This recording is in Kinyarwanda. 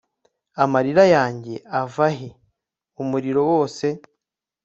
Amarira yanjye ava he Umuriro wose